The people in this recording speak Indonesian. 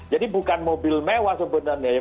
jadi bukan mobil mewah sebenarnya